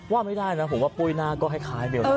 ว่าไม่ได้นะผมว่าปุ้ยหน้าก็คล้ายเบลนะ